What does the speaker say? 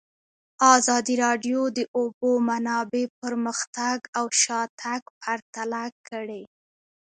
ازادي راډیو د د اوبو منابع پرمختګ او شاتګ پرتله کړی.